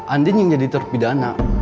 andien yang jadi terpidana